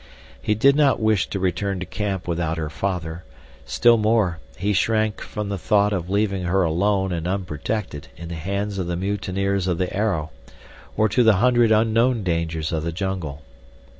He did not wish to return to camp without her father; still more, he shrank from the thought of leaving her alone and unprotected in the hands of the mutineers of the Arrow, or to the hundred unknown dangers of the jungle.